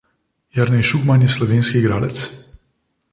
Jernej Šugman je slovenski igralec.